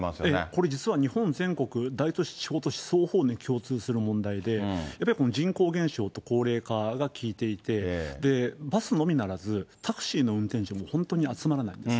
これ実は日本全国、大都市、小都市、双方に共通する問題で、やっぱりこの人口減少と高齢化がきいていて、バスのみならず、タクシーの運転手も本当に集まらないんです。